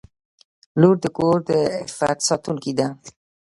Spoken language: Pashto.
• لور د کور د عفت ساتونکې ده.